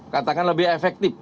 katakan lebih efektif